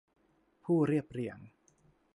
ผู้เรียบเรียง